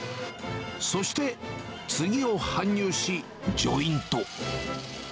そして次を搬入し、ジョイント。